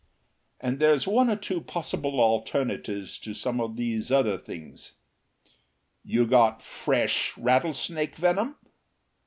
And there's one or two possible alternatives to some of these other things. You got FRESH rattlesnake venom."